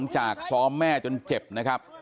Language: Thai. จากซ้อมแม่จนเจ็บนะครับ